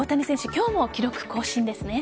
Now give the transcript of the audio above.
今日も記録更新ですね。